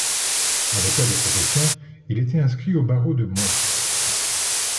Avocat de profession, il était inscrit au barreau de Mons.